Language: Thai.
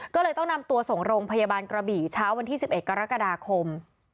ก็เลยต้องนำตัวส่งโรงพยาบาลกระบี่เช้าวันที่๑๑กรกฎาคม